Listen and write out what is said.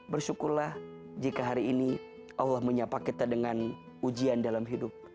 bersyukurlah jika hari ini allah menyapa kita dengan ujian dalam hidup